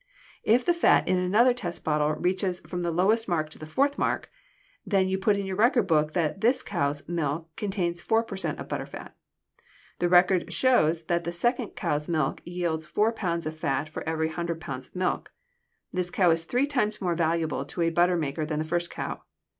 If the fat in another test bottle reaches from the lowest mark to the fourth mark, then you put in your record book that this cow's milk contains four per cent of butter fat. This record shows that the second cow's milk yields four pounds of fat to every hundred pounds of milk. This cow is three times more valuable to a butter maker than the first cow.